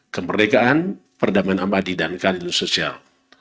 kemerdekaan perdamaian amadi dan karyawan sosial